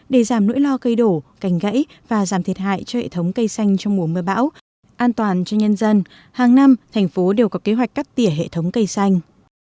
để giảm nỗi lo cây đổ cành gãy và giảm thiệt hại cho hệ thống cây xanh trong mùa mưa bão an toàn cho nhân dân hàng năm thành phố đều có kế hoạch cắt tỉa hệ thống cây xanh